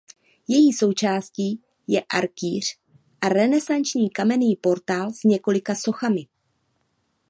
Její součástí je arkýř a renesanční kamenný portál s několika sochami.